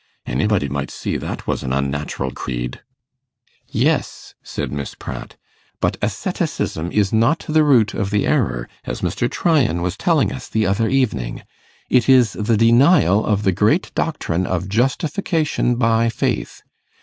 Anybody might see that was an unnat'ral creed.' 'Yes,' said Miss Pratt, 'but asceticism is not the root of the error, as Mr. Tryan was telling us the other evening it is the denial of the great doctrine of justification by faith.